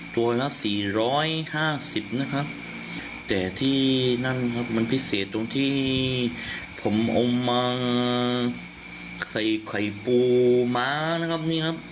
ตัวละ๔๕๐นะครับแต่ที่นั่นครับมันพิเศษตรงที่ผมเอามาใส่ไข่ปูม้านะครับนี่ครับ